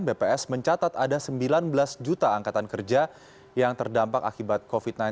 bps mencatat ada sembilan belas juta angkatan kerja yang terdampak akibat covid sembilan belas